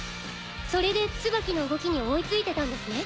それでツバキの動きに追いついてたんですね。